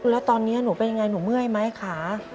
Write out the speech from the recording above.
แล้วตอนนี้หนูเป็นยังไงหนูเมื่อยไหมคะ